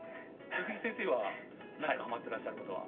鈴木先生は何かはまってらっしゃることは。